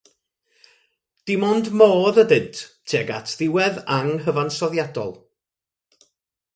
Dim ond modd ydynt tuag at ddiwedd anghyfansoddiadol.